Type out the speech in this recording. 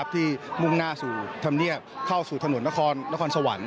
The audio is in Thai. มุ่งหน้าสู่ธรรมเนียบเข้าสู่ถนนนครสวรรค์